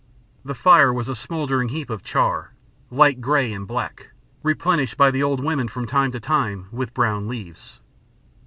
The fire was a smouldering heap of char, light grey and black, replenished by the old women from time to time with brown leaves.